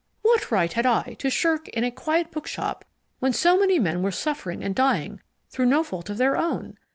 What right had I to shirk in a quiet bookshop when so many men were suffering and dying through no fault of their own?